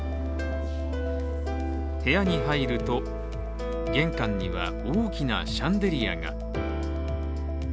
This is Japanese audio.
部屋に入ると、玄関には大きなシャンデリアが。